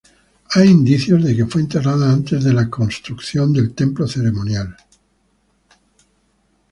Hay indicios de que fue enterrada antes de la construcción del templo ceremonial.